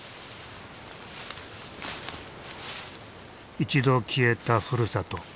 一度消えたふるさと。